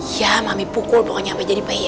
ya mami pukul pokoknya sampai jadi bayi